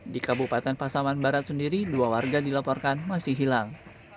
di kabupaten pasaman barat sendiri dua warga dilaporkan masih hilang